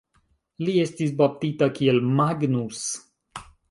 Li estis baptita kiel Magnus.